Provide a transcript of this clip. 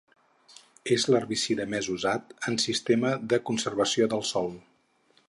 És l'herbicida més usat en sistema de conservació del sòl.